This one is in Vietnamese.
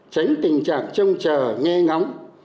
tránh tình trạng trông trở nghe ngóng